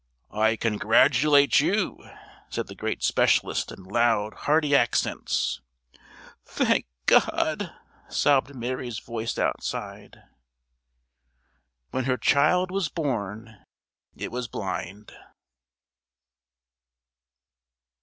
"I congratulate you," said the great specialist in loud, hearty accents. "Thank God!" sobbed Mary's voice outside. When her child was born it was blind.